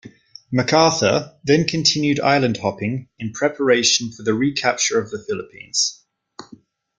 MacArthur then continued island hopping in preparation for the re-capture of the Philippines.